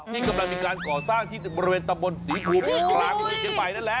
ที่กำลังมีการก่อสร้างที่บริเวณตำบลศรีภูมิกลางเมืองเชียงใหม่นั่นแหละ